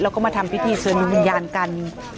แล้วก็มาทำพิธีเชิญดวงวิญญาณกัน